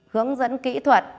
hướng dẫn kỹ thuật